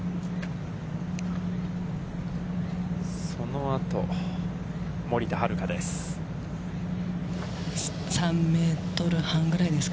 そのあと、森田遥です。